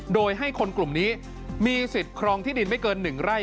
โดยให้คนกลุ่มนี้มีสิทธิ์ครองที่ดินไม่เกิน๑ไร่